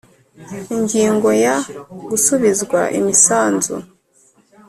Ingingo ya gusubizwa imisanzu